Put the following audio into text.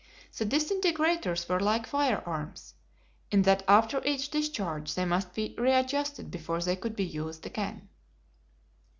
The disintegrators were like firearms, in that after each discharge they must be readjusted before they could be used again.